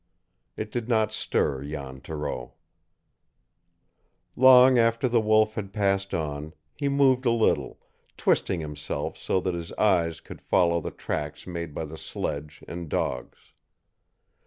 It did not stir Jan Thoreau. Long after the wolf had passed on, he moved a little, twisting himself so that his eyes could follow the tracks made by the sledge and dogs.